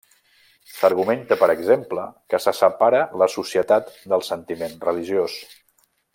S'argumenta per exemple que se separa la societat del sentiment religiós.